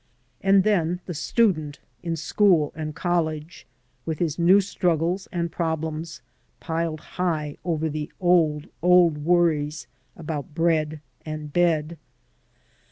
And then the student in school and college, with his new struggles and problems piled high over the old, old worries about bread and bed.